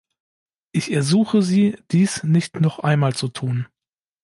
Ich ersuche Sie, dies nicht noch einmal zu tun.